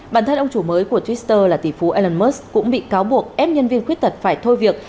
bản thân ông chủ mới của twitter là tỷ phú elon musk cũng bị cáo buộc ép nhân viên khuyết tật phải thôi việc